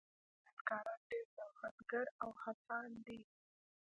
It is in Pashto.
چینايي صنعتکاران ډېر نوښتګر او هڅاند دي.